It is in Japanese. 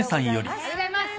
おはようございます。